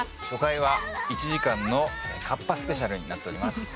初回は１時間のカッパスペシャルになっております。